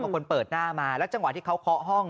คนเปิดหน้ามาแล้วจังหวะที่เขาเคาะห้อง